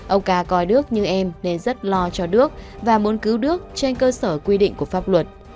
ông ca coi đức như em nên rất lo cho đức và muốn cứu đức trên cơ sở quy định của pháp luật